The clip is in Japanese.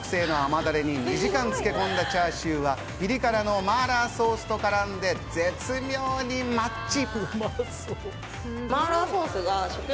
特製の甘ダレに２時間漬け込んだチャーシューはピリ辛の麻辣ソースと絡んで絶妙にマッチ。